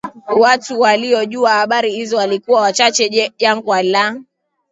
watu waliojua habari hizo walikuwa wachache Jangwa la